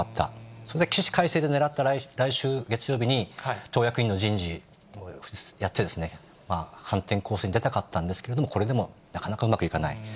それで起死回生で、ねらった、来週月曜日に党役員の人事をやってですね、反転攻勢に出たかったんですけれども、これでもなかなかうまくいかない。